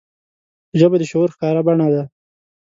ژبه د شعور ښکاره بڼه ده